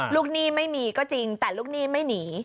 หนี้ไม่มีก็จริงแต่ลูกหนี้ไม่หนี